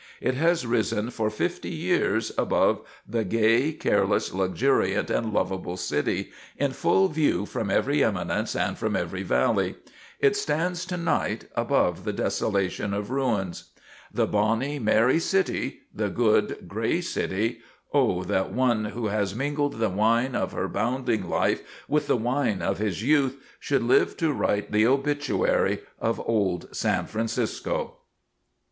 It has risen for fifty years above the gay, careless, luxuriant and lovable city, in full view from every eminence and from every valley. It stands tonight, above the desolation of ruins. The bonny, merry city the good, gray city O that one who has mingled the wine of her bounding life with the wine of his youth should live to write the obituary of Old San Francisco!